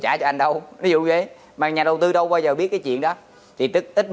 trả cho anh đâu ví dụ vậy mà nhà đầu tư đâu bao giờ biết cái chuyện đó thì tức tức tức tức tức tức